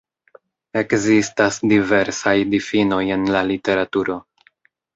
Ekzistas diversaj difinoj en la literaturo.